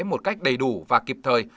một cách đầy đủ và kịp thời